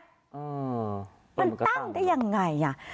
เออมันตั้งได้ยังไงอ่ะ